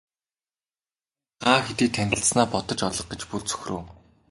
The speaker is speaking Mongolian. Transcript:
Чухам хаа хэдийд танилцсанаа бодож олох гэж бүр цөхрөв.